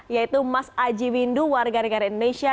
yaitu mas aji windu warga negara indonesia